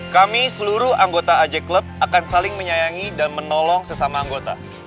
kami seluruh anggota ajak klub akan saling menyayangi dan menolong sesama anggota